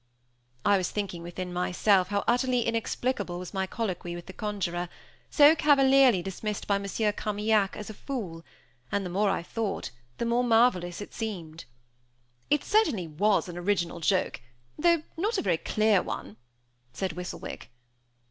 I was thinking within myself how utterly inexplicable was my colloquy with the conjuror, so cavalierly dismissed by Monsieur Carmaignac as a "fool"; and the more I thought the more marvelous it seemed. "It certainly was an original joke, though not a very clear one," said Whistlewick.